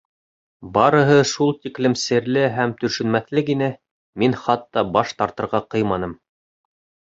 Барыһы шул тиклем серле һәм төшөнмәҫлек ине, мин хатта баш тартырға ҡыйманым.